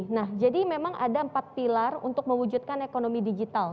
nah jadi memang ada empat pilar untuk mewujudkan ekonomi digital